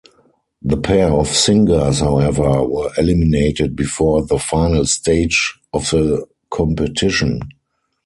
The pair of singers, however, were eliminated before the final stage of the competition.